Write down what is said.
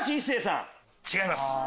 違います。